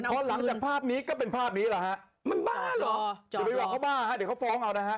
ก็เป็นภาพนี้หรอฮะมันบ้าเหรอเดี๋ยวไปบอกเขาบ้าฮะเดี๋ยวเขาฟ้องเอานะฮะ